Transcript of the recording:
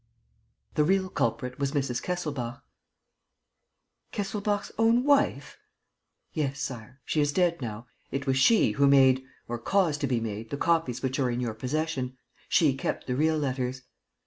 The real culprit was Mrs. Kesselbach." "Kesselbach's own wife?" "Yes, Sire. She is dead now. It was she who made or caused to be made the copies which are in your possession. She kept the real letters."